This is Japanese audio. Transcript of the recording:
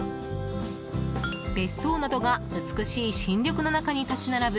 別荘などが美しい新緑の中に立ち並ぶ